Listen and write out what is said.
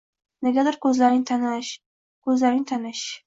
– Negadir ko‘zlaring taniiish… Ko‘zlaring taniiish…